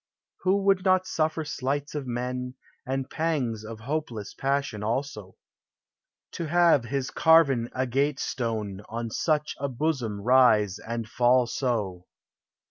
Who would not suffer slights of men, And pangs of hopeless passion also, To have his carven agate stone On such a bosom rise and fall so